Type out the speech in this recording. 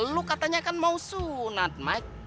lu katanya kan mau sunat mic